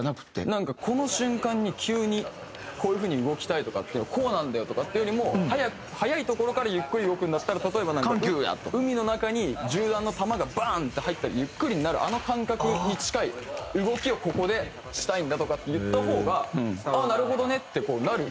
なんかこの瞬間に急にこういう風に動きたいとかっていうのはこうなんだよとかっていうよりも早いところからゆっくり動くんだったら例えば「海の中に銃弾の弾がバーン！って入ったらゆっくりになるあの感覚に近い動きをここでしたいんだ」とかって言った方が「ああなるほどね」ってこうなる。